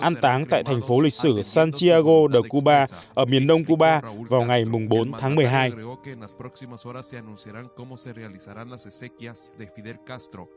ăn táng tại thành phố lịch sử santiago de cuba ở miền đông cuba vào ngày bốn tháng một mươi hai